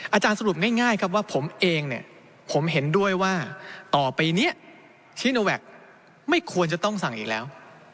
อาจารย์สรุปง่ายครับว่าผมเองเนี่ยผมเห็นด้วยว่าต่อไปนี้ซีโนแวคไม่ควรจะต้องสั่งอีกแล้ว